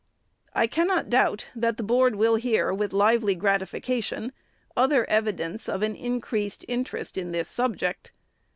I cannot doubt, that the Board will hear, with lively gratification, other evidence of an increased interest in this subject.